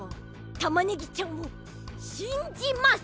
たまねぎちゃんをしんじます。